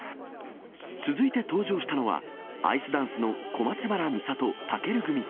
続いて登場したのは、アイスダンスの小松原美里・尊組。